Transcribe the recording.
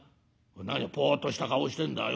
何ぽっとした顔してんだよ。